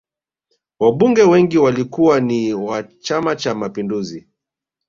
wabunge wengi walikuwa ni wa chama cha mapinduzi